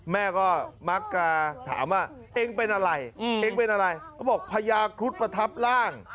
แม่ก็มักจะถามว่าเองเป็นอะไรเองเป็นอะไรเขาบอกพญาครุฑประทับร่าง